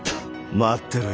待ってろよ